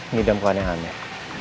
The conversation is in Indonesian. ngidam hal yang aneh